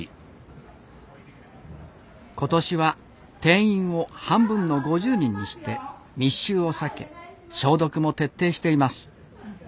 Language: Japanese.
今年は定員を半分の５０人にして密集を避け消毒も徹底しています。